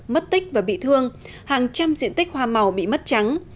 mất tích và bị thương hàng trăm diện tích hoa màu bị mất trắng